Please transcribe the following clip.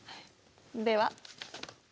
では。